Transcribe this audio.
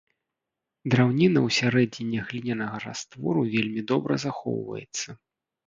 Драўніна ўсярэдзіне глінянага раствору вельмі добра захоўваецца.